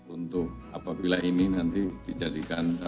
untuk apabila ini nanti dijadikan